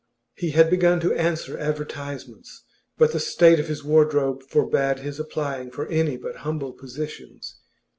He had begun to answer advertisements, but the state of his wardrobe forbade his applying for any but humble positions.